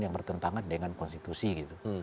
yang bertentangan dengan konstitusi gitu